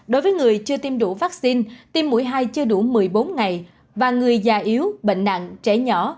đối với người chưa tiêm đủ vaccine tim mũi hai chưa đủ một mươi bốn ngày và người già yếu bệnh nặng trẻ nhỏ